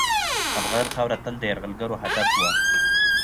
افغان خاوره تل د یرغلګرو هدف وه.